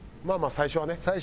最初はね。